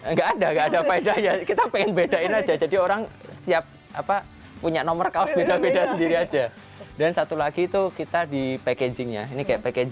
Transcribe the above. nggak ada nggak ada faedahnya kita pengen bedain aja jadi orang setiap apa punya nomor kaos beda beda sendiri aja dan satu lagi itu kita di packaging nya ini kayak packaging nya